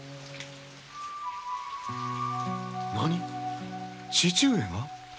何父上が？